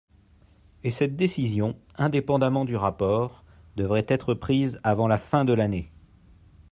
Et cette décision, indépendamment du rapport, devrait être prise avant la fin de l’année.